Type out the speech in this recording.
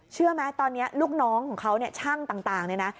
เชื่อไหมตอนนี้ลูกน้องของเขาช่างต่างนะ